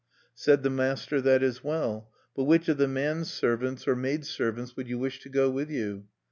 Said the master: "That is well. But which of the man servants or maid servants would you wish to go with you?"